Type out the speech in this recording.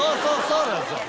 そうなんですよ。